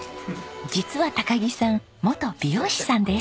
実は高木さん元美容師さんです。